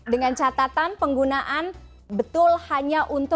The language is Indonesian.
dengan catatan penggunaan betul hanya untuk